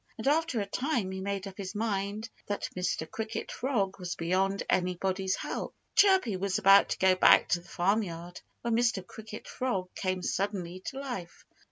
And after a time he made up his mind that Mr. Cricket Frog was beyond anybody's help. Chirpy was about to go back to the farmyard when Mr. Cricket Frog came suddenly to life.